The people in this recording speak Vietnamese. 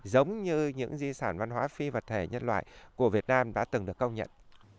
giống như những di sản văn hóa phi vật thể nhân loại của việt nam đã từng được công nhận